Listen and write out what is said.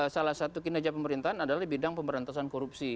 salah satu kinerja pemerintahan adalah bidang pemberantasan korupsi